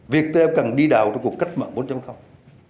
việt theo cần đi đào trong cuộc cách mạng bốn